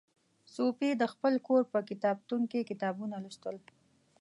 صوفي د خپل کور په کتابتون کې کتابونه لوستل.